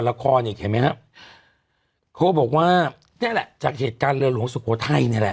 ละครอีกเห็นมั้ยครับเขาบอกว่านี่แหละจากเหตุการณ์เรือนหลวงสุโปรไทยนี่แหละ